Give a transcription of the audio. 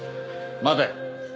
待て。